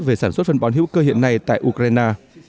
về sản xuất phân bón hữu cơ hiện nay tại ukraine